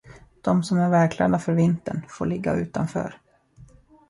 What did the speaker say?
De som är välklädda för vintern får ligga utanför.